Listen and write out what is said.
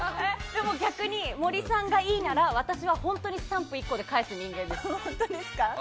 でも、逆に森さんがいいなら私は本当にスタンプ１個で返す人間です。